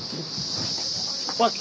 あっ！